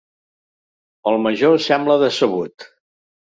El major sembla decebut.